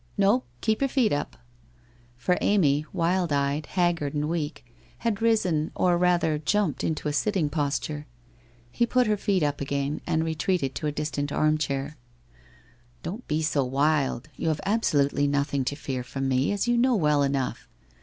No — keep your feet up !' For Amy, wild eyed, haggard, and weak, had risen or rather jumped to a sitting posture. He put her feet up again and retreated to a distant armchair. ' Don't be so wild. You have absolutely nothing to fear from me, as you know well enough.